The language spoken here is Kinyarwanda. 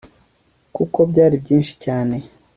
kuko byari byinshi cyane